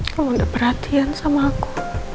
kamu udah perhatian sama aku